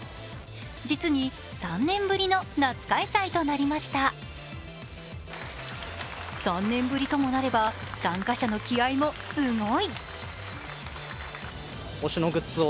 実に３年ぶりの夏開催となりました３年ぶりともなれば、参加者の気合いもすごい。